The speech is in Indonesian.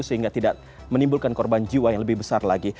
sehingga tidak menimbulkan korban jiwa yang lebih besar lagi